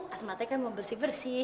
asmatnya kan mau bersih bersih